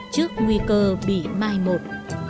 trước nguy cơ bị mai một